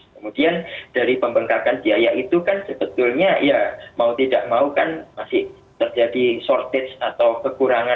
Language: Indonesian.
kemudian dari pembengkakan biaya itu kan sebetulnya ya mau tidak mau kan masih terjadi shortage atau kekurangan